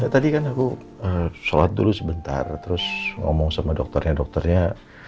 tadi kan aku sholat dulu sebentar terus ngomong sama dokternya dokternya